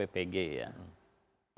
nah bahwa beliau menyampaikan